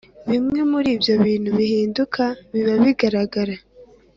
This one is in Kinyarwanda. Bimwe muri ibyo bintu bihinduka biba bigaragara